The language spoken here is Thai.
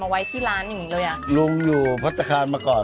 ไว้ที่ร้านอย่างงี้เลยอ่ะลุงอยู่พัฒนาคารมาก่อน